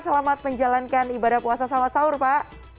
selamat menjalankan ibadah puasa sama sahur pak